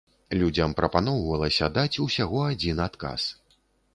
Людзям прапаноўвалася даць ўсяго адзін адказ.